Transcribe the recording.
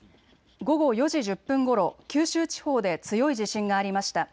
午後４時１０分ごろ、九州地方で強い地震がありました。